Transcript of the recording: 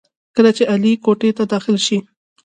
کله چې علي کوټې ته داخل شي،